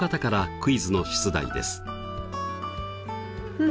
うん。